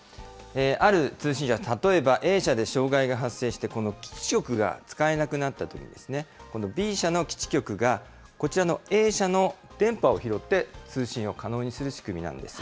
ある通信会社、例えばＡ社で障害が発生して、この基地局が使えなくなったとき、このＢ社の基地局が、こちらのＡ社の電波を拾って通信を可能にする仕組みなんです。